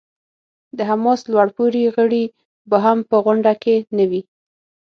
د حماس لوړ پوړي غړي به هم په غونډه کې نه وي.